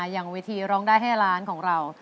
อย่างวิธีร้องได้ไข่ล้างของเรา